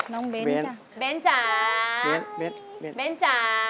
น้องเบนค่ะเบนจ้าเบนจ้า